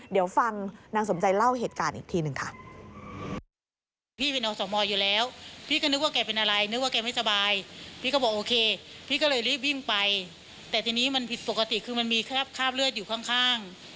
เดี๋ยวฟังนางสมใจเล่าเหตุการณ์อีกทีหนึ่งค่ะ